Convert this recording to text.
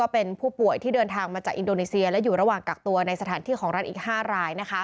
เป็นผู้ป่วยที่เดินทางมาจากอินโดนีเซียและอยู่ระหว่างกักตัวในสถานที่ของรัฐอีก๕ราย